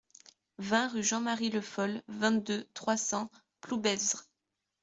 vingt rue Jean-Marie Le Foll, vingt-deux, trois cents, Ploubezre